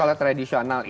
kalau tradisional itu